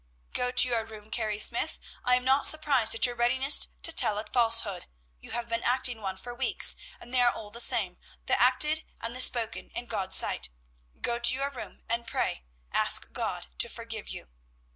_" "Go to your room, Carrie Smyth. I am not surprised at your readiness to tell a falsehood; you have been acting one for weeks, and they are all the same, the acted and the spoken, in God's sight. Go to your room and pray; ask God to forgive you."